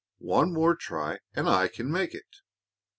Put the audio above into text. One more try and I can make it."